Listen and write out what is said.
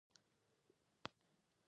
ایا زه کورنۍ نسخې کارولی شم؟